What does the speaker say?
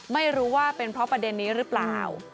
ไม่รู้ว่าเป็นเพราะประเด็นนี้หรือเปล่า